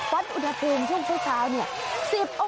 วัดอุทธภูมิช่วงเท่าเนี่ย๑๐องศา